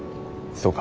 そうか。